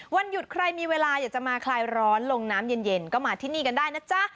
วันหยุดใครมีเวลาอยากจะมาคลายร้อนลงน้ำเย็นก็มาที่นี่กันได้นะจ๊ะ